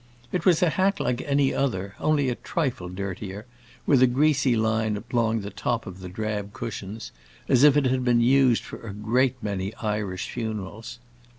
It was a hack like any other, only a trifle dirtier, with a greasy line along the top of the drab cushions, as if it had been used for a great many Irish funerals.